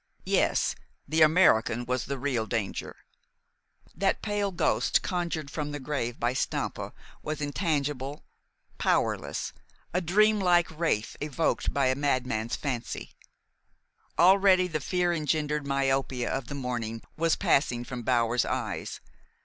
Yes, the American was the real danger. That pale ghost conjured from the grave by Stampa was intangible, powerless, a dreamlike wraith evoked by a madman's fancy. Already the fear engendered myopia of the morning was passing from Bower's eyes.